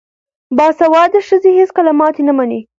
باسواده ښځې هیڅکله ماتې نه مني.